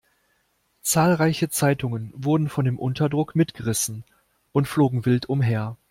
Zahlreiche Zeitungen wurden von dem Unterdruck mitgerissen und flogen wild umher.